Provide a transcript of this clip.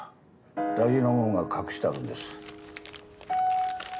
大事なもんが隠してあるんです。